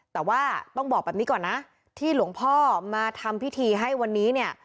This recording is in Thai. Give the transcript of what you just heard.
แต่ว่าต้องบอกแบบนี้ก่อนนะที่หลวงพ่อมาทำพิธีให้วันนี้เนี่ย